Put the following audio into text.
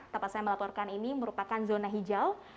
tempat saya melaporkan ini merupakan zona hijau